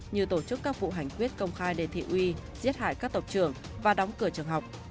như tổ chức các vụ hành quyết công khai đề thị uy giết hại các tộc trưởng và đóng cửa trường học